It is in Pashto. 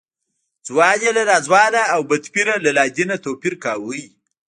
ځوان یې له ناځوانه او بدپیره له لادینه توپیر کاوه.